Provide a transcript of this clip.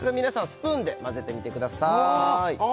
スプーンで混ぜてみてくださいあ